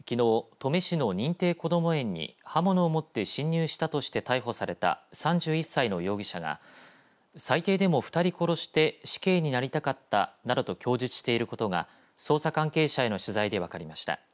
登米市の認定こども園に刃物を持って侵入したとして逮捕された３１歳の容疑者が最低でも２人殺して死刑になりたかったなどと供述していることが捜査関係者への取材で分かりました。